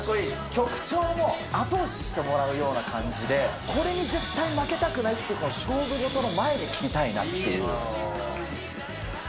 曲調も後押ししてもらうようなこれに絶対負けたくないっていう、勝負事の前に聴きたいなっていう。